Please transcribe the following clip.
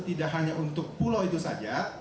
tidak hanya untuk pulau itu saja